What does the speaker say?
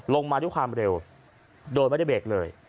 ลงมาด้วยความเร็วโดยไม่ได้เบรกเลย